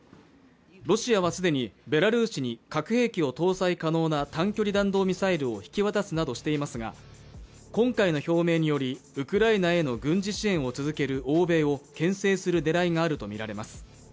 ロシアは既にベラルーシに核兵器を搭載可能な短距離弾道ミサイルを引き渡すなどしていますが、今回の表明により、ウクライナへの軍事支援を続ける欧米をけん制する狙いがあるとみられます。